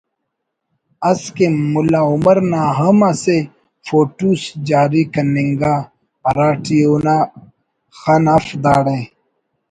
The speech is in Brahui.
اس کہ ملا عمر نا ہم اسہ فوٹوس جاری کننگا ہراٹی اونا خن اف داڑے